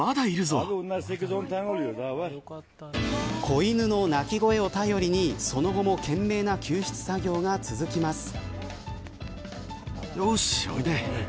子犬の鳴き声を頼りにその後も懸命な救出作業が続きます。